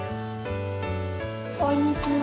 こんにちは。